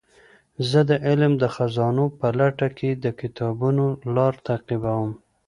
زه د علم د خزانو په لټه کې د کتابونو لار تعقیبوم.